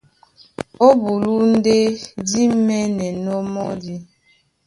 Ó bulú ndé dí mɛ́nɛnɔ́ mɔ́di.